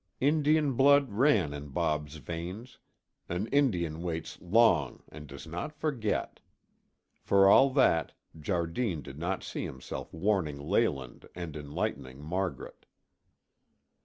Indian blood ran in Bob's veins; an Indian waits long and does not forget. For all that, Jardine did not see himself warning Leyland and enlightening Margaret.